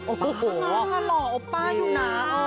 โอปป้าอยู่หนา